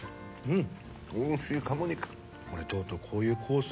うん。